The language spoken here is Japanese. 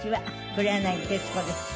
黒柳徹子です。